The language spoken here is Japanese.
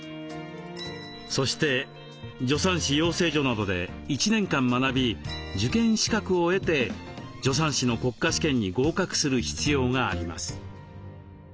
そして助産師養成所などで１年間学び受験資格を得て助産師の国家試験に合格する必要があります。